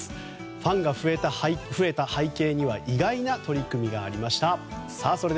ファンが増えた背景には意外な取り組みがありました。